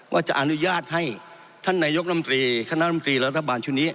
ว่าจะอนุญาตให้ท่านนายกรมตรีคณะรำตรีรัฐบาลชุดนี้